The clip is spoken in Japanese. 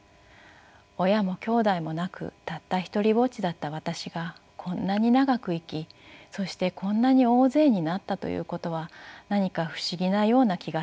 親もきょうだいもなくたった独りぼっちだった私がこんなに長く生きそしてこんなに大勢になったということは何か不思議なような気がする。